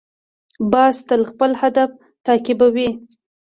باز تل خپل هدف تعقیبوي